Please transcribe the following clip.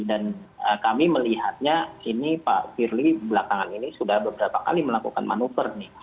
dan kami melihatnya ini pak firly belakangan ini sudah beberapa kali melakukan manuver